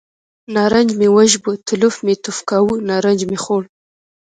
نارنج مې وژبه، تلوف مې یې توف کاوه، نارنج مې خوړ.